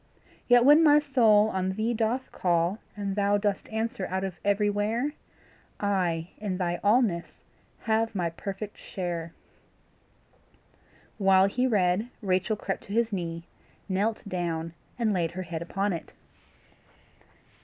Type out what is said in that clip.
Yet when my soul on thee doth call And thou dost answer out of everywhere, I in thy allness have my perfect share. While he read Rachel crept to his knee, knelt down, and laid her head upon it.